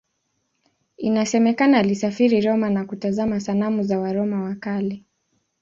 Inasemekana alisafiri Roma na kutazama sanamu za Waroma wa Kale.